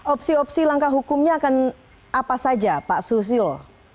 opsi opsi langkah hukumnya akan apa saja pak susil